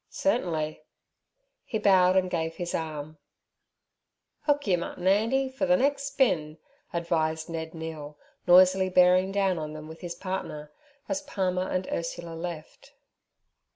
'Certainly.' He bowed and gave his arm. 'Hook yer mutton, Andy, for ther next spin' advised Ned Neale, noisily bearing down on them with his partner, as Palmer and Ursula left.